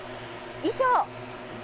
以上。